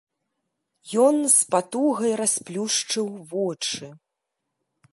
Ён з патугай расплюшчыў вочы.